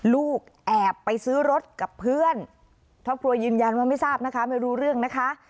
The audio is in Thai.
ลูกแอบไปซื้อรถกับเพื่อนครอบครัวยืนยันว่าไม่ทราบนะคะไม่รู้เรื่องนะคะ